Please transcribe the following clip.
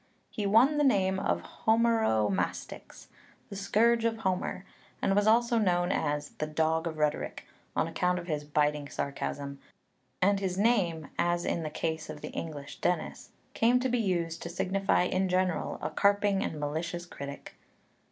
He won the name of Homeromastix, "the scourge of Homer," and was also known as κύων ῥητορικός, "the dog of rhetoric," on account of his biting sarcasm; and his name (as in the case of the English Dennis) came to be used to signify in general a carping and malicious critic.